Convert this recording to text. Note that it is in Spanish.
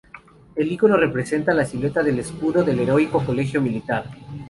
El icono representa la silueta del escudo del Heroico Colegio Militar.